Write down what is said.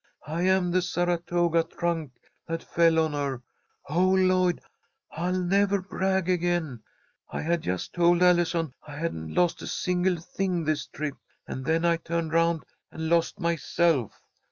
I am the Saratoga trunk that fell on her. Oh, Lloyd, I'll never brag again. I had just told Allison I hadn't lost a single thing this trip, and then I turned around and lost myself.